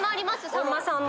さんまさんの。